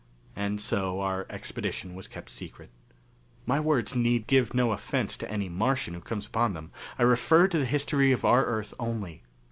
And so our expedition was kept secret. My words need give no offence to any Martian who comes upon them. I refer to the history of our Earth only.